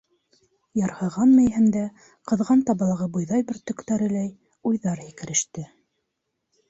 Ярһыған мейеһендә, ҡыҙған табалағы бойҙай бөртөктәреләй, уйҙар һикереште.